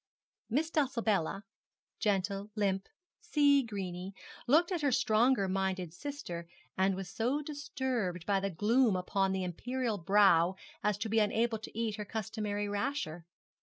Miss Dulcibella, gentle, limp, sea greeny, looked at her stronger minded sister, and was so disturbed by the gloom upon that imperial brow as to be unable to eat her customary rasher.